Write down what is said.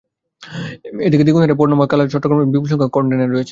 এদিকে দ্বিগুণ হারে পণ্য খালাস হলেও চট্টগ্রাম বন্দরে এখনো বিপুলসংখ্যক কনটেইনার রয়েছে।